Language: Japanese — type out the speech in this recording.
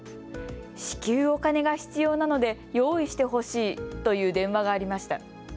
至急お金が必要なので用意してほしいという電話がありました。